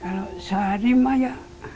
kalau sehari mah ya